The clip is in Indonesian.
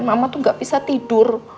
mama tuh nggak bisa tidur